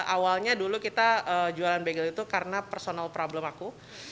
awalnya dulu kita jualan bagel itu karena personal problem aku